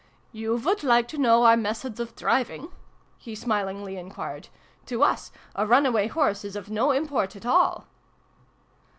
" You would like to know our methods of driving?" he smilingly enquired. "To us, a run away horse is of no import at all